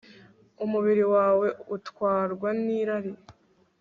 umubiri wawe utwarwa n'irari